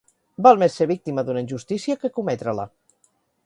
Val més ser víctima d'una injustícia que cometre-la.